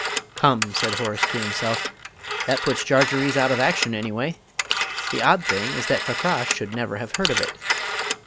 "Come," said Horace to himself, "that puts Jarjarees out of action, any way! The odd thing is that Fakrash should never have heard of it."